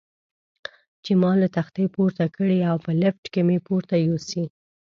چې ما له تختې پورته کړي او په لفټ کې مې پورته یوسي.